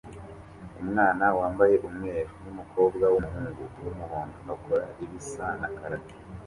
umwana wambaye umweru numukobwa wumuhungu wumuhondo akora ibisa na karate